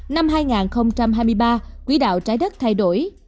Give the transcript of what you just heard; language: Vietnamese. năm hai nghìn hai mươi ba quỹ đạo trái đất thay đổi